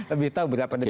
lebih tahu berapa detik